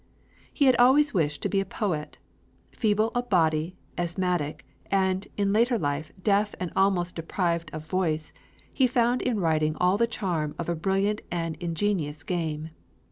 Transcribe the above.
He had always wished to be a poet. Feeble of body, asthmatic, and in later life deaf and almost deprived of voice, he found in writing all the charm of a brilliant and ingenious game.